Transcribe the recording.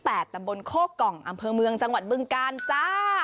ตำบลโคกองอำเภอเมืองจังหวัดบึงกาลจ้า